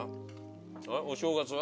お正月は？